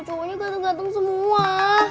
cowoknya ganteng ganteng semua